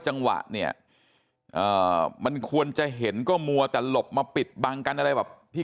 จังหวะเนี่ยมันควรจะเห็นก็มัวแต่หลบมาปิดบังกันอะไรแบบที่